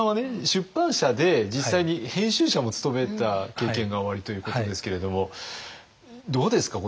出版社で実際に編集者も務めた経験がおありということですけれどもどうですか？